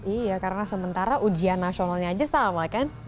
iya karena sementara ujian nasionalnya aja sama kan